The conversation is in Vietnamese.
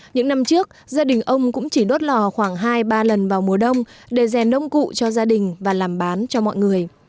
những năm trước gia đình ông cũng chỉ đốt lò khoảng hai ba lần vào mùa đông để rèn nông cụ cho gia đình và làm bán cho mọi người